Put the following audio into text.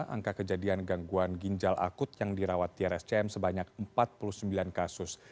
angka kejadian gangguan ginjal akut yang dirawat di rscm sebanyak empat puluh sembilan kasus